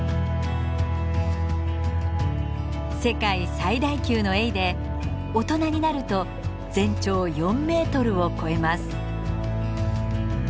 世界最大級のエイで大人になると全長４メートルを超えます。